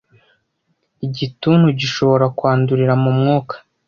Igituntu gishobora kwandurira mu mwuka